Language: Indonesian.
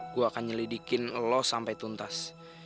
gue akan nyelidikin los sampai tuntas